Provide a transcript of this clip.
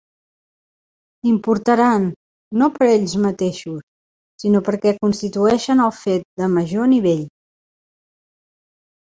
Importaran, no per ells mateixos, sinó perquè constitueixen el fet de major nivell.